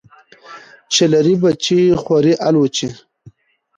چی لری بچي خوري الوچی .